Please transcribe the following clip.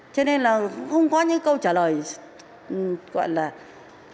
cho nên là không có những câu trả lời gọi là có hiệu quả với chúng tôi